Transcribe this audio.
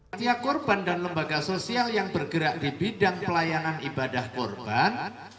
ketia kurban dan lembaga sosial yang bergerak di bidang pelayanan ibadah kurban